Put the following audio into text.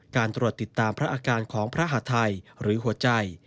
การตรวจติดตามพระอาการของพระหาทัยหรือหัวใจ